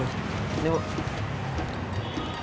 udah sepuluh dolar